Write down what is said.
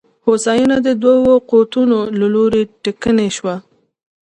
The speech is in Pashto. هوساینه د دوو قوتونو له لوري ټکنۍ شوه.